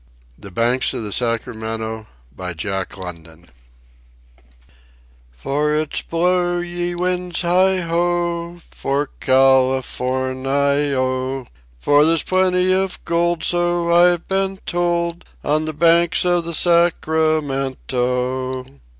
THE BANKS OF THE SACRAMENTO "And it's blow, ye winds, heigh ho, For Cal i for ni o; For there's plenty of gold so I've been told, On the banks of the Sacramento!"